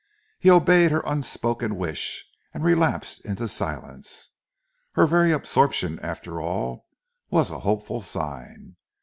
He obeyed her unspoken wish and relapsed into silence. Her very absorption, after all, was a hopeful sign.